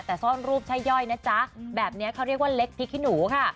แต่ซ่อนรูปใช่ย่อยนะจ๊ะแบบนี้เขาเรียกว่าเล็กพริกขี้หนูค่ะ